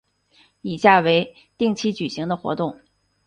以下为定期举行的活动